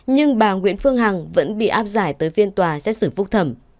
nhưng bà nguyễn phương hằng vẫn bị áp giải tới phiên tòa xét xử phúc thẩm